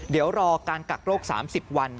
เดี๋ยวรอการกักโรค๓๐วัน